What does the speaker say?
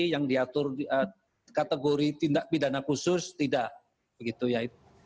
yang diatur kategori tindak pidana khusus tidak begitu ya